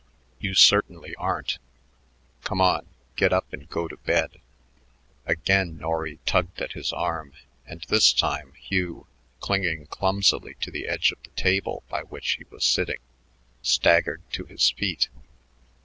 "You certainly aren't. Come on; get up and go to bed." Again Norry tugged at his arm, and this time Hugh, clinging clumsily to the edge of the table by which he was sitting, staggered to his feet.